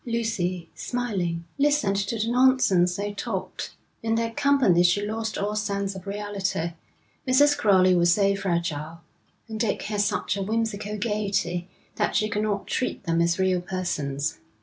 Lucy, smiling, listened to the nonsense they talked. In their company she lost all sense of reality; Mrs. Crowley was so fragile, and Dick had such a whimsical gaiety, that she could not treat them as real persons.